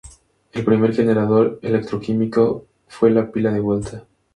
El primer generador electroquímico fue la pila de Volta.